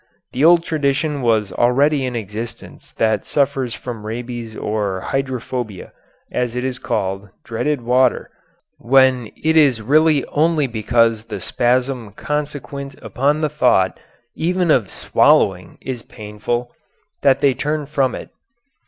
The old tradition was already in existence that sufferers from rabies or hydrophobia, as it is called, dreaded water, when it is really only because the spasm consequent upon the thought even of swallowing is painful that they turn from it.